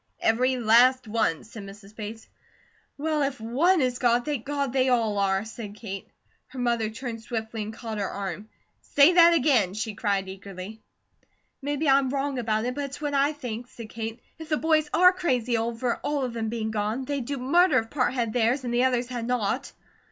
"Every last one," said Mrs. Bates. "Well, if ONE is gone, thank God they all are," said Kate. Her mother turned swiftly and caught her arm. "Say that again!" she cried eagerly. "Maybe I'm WRONG about it, but it's what I think," said Kate. "If the boys are crazy over all of them being gone, they'd do murder if part had theirs, and the others had not."